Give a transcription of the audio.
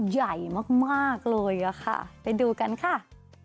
ใหญ่มากเลยอะค่ะไปดูกันค่ะ